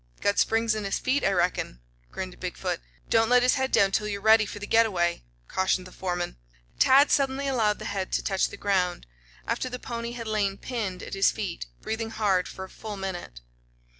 "Got springs in his feet, I reckon," grinned Big foot. "Don't let his head down till you're ready for the get away," cautioned the foreman. Tad suddenly allowed the head to touch the ground, after the pony had lain pinned at his feet, breathing hard for a full minute.